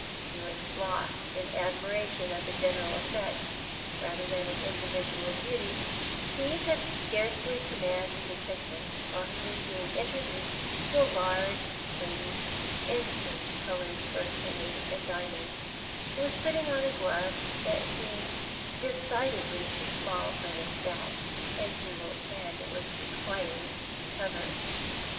He was lost in admira tion of the general effect, rather than of individual beauty • he could scarcely command his attention while he was being intro duced to a large lady in peach coloured brocade and diamonds who was putting on a glove which seemed decidedly too small for the fat and jewelled hand it was required to cover.